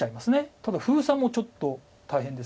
ただ封鎖もちょっと大変です。